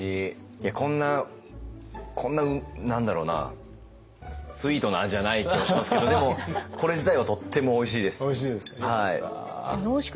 いやこんなこんな何だろうなスイートな味じゃない気はしますけどでもこれ自体はとってもおいしいです。